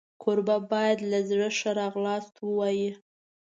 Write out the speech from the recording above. کوربه باید له زړه ښه راغلاست ووایي.